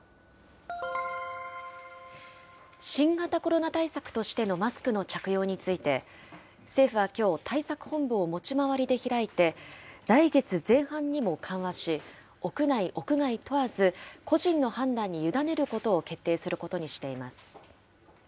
新型コロナ対策としてのマスクの着用について、政府はきょう、対策本部を持ち回りで開いて、来月前半にも緩和し、屋内・屋外問わず、個人の判断に委ねることを決定することにしています。